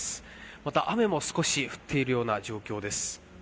また、雨も少し降っているような状況です。